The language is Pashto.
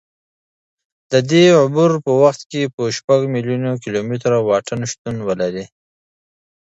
د دې عبور په وخت کې به شپږ میلیونه کیلومتره واټن شتون ولري.